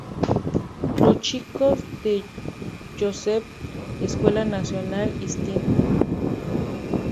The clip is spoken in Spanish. Los chicos de Joseph Escuela Nacional y St.